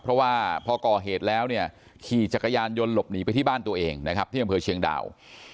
เพราะว่าพอก่อเหตุแล้วเนี่ยขี่จักรยานยนต์หลบหนีไปที่บ้านตัวเองนะครับที่อำเภอเชียงดาว